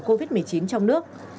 phòng covid một mươi chín trong nước